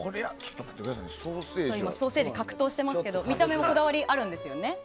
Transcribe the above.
ソーセージと格闘してますが見た目にもこだわりがあるんですよね。